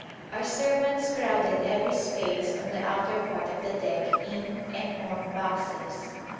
Our servants crowded every space on the outer part of the deck in and on boxes.